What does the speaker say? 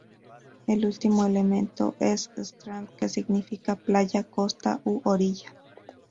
El último elemento es "strand" que significa playa, costa u orilla.